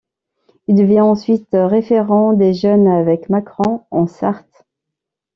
Il devient ensuite référent des Jeunes avec Macron en Sarthe.